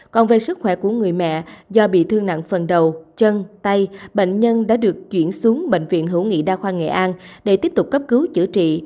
còn về sức khỏe của người mẹ do bị thương nặng phần đầu chân tay bệnh nhân đã được chuyển xuống bệnh viện hữu nghị đa khoa nghệ an để tiếp tục cấp cứu chữa trị